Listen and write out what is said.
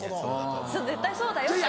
絶対そうだよって。